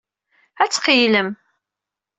Ad tqeyylem.